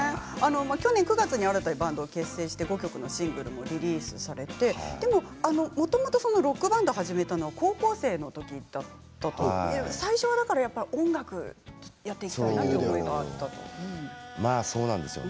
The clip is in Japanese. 去年９月に新たにバンドを結成して５曲シングルをリリースしてもともとバンドを始めたのは高校生のときだったということで最初、音楽をやっていきたかったという思いがあったんですか。